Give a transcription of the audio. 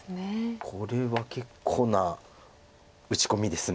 これは結構な打ち込みです。